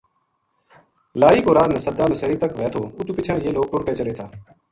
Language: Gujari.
لاری کو راہ نَسدا نسیری تک وھے تھو اُتو پِچھاں یہ لوک ٹُر کے چلے تھا